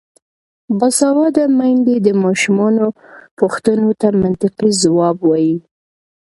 باسواده میندې د ماشومانو پوښتنو ته منطقي ځواب وايي.